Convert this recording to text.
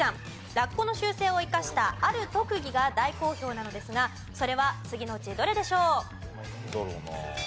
ラッコの習性を生かしたある特技が大好評なのですがそれは次のうちどれでしょう？